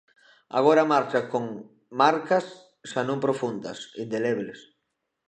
Agora marcha con "marcas; xa non profundas, indelebles".